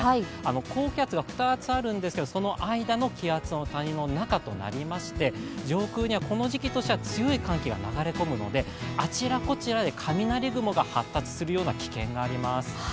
高気圧が２つあるんですけれどもその間の気圧の谷の中となりまして、上空にはこの時期としては強い寒気が流れ込むのであちらこちらで雷雲が発達するような危険があります。